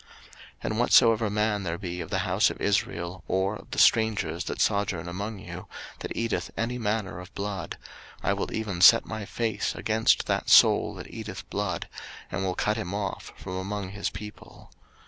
03:017:010 And whatsoever man there be of the house of Israel, or of the strangers that sojourn among you, that eateth any manner of blood; I will even set my face against that soul that eateth blood, and will cut him off from among his people.